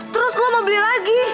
terus lo mau beli lagi